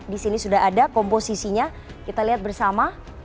di sini sudah ada komposisinya kita lihat bersama